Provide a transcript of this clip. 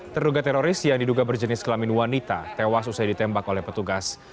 terduga teroris yang diduga berjenis kelamin wanita tewas usai ditembak oleh petugas